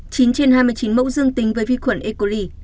chín trên hai mươi chín mẫu dương tính với vi khuẩn e coli